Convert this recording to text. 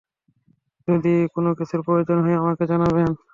যদি কোন কিছুর প্রয়োজন হয় আমাকে জানাবেন।